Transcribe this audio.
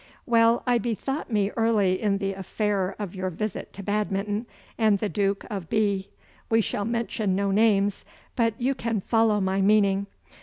Well, I bethought me early in the affair of your visit to Badminton, and of the Duke of B. We shall mention no names, but you can follow my meaning.